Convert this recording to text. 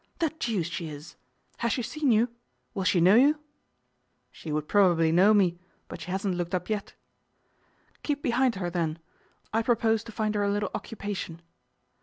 'The deuce she is! Has she seen you? Will she know you?' 'She would probably know me, but she hasn't looked up yet.' 'Keep behind her, then. I propose to find her a little occupation.